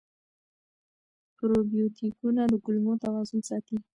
پروبیوتیکونه د کولمو توازن ساتي.